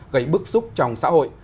gây bức xúc trong xã hội